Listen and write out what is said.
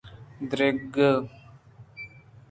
دارگ